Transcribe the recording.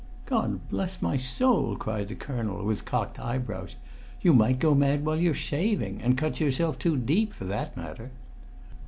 "God bless my soul!" cried the colonel, with cocked eyebrows. "You might go mad while you're shaving, and cut yourself too deep, for that matter!"